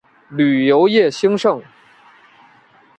旅游业兴盛。